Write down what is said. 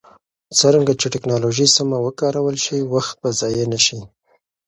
څرنګه چې ټکنالوژي سمه وکارول شي، وخت به ضایع نه شي.